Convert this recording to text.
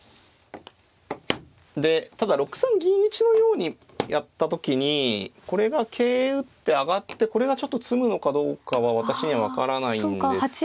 でただ６三銀打のようにやった時にこれが桂打って上がってこれがちょっと詰むのかどうかは私には分からないんですけど。